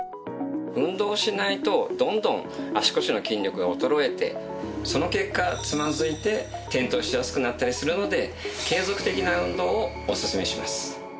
運動しないとどんどん足腰の筋力が衰えてその結果つまずいて転倒しやすくなったりするので継続的な運動をおすすめします。